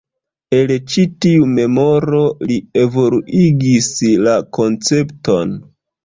El ĉi tiu memoro li evoluigis la koncepton.